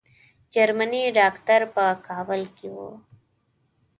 جرمني ډاکټر په کابل کې وو.